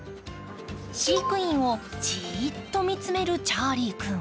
飼育員をじっと見つめるチャーリー君。